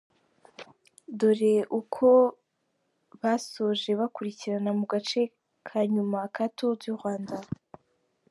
Dore uko basoje bakurikirana ku gace ka nyuma ka Tour du Rwanda .